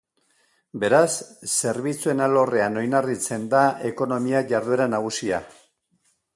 Beraz, zerbitzuen alorrean oinarritzen da ekonomia jarduera nagusia.